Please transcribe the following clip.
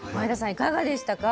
いかがでしたか？